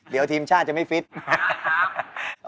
เดี๋ยวทีมชาติจะไม่ฟิตงั้นนะครับ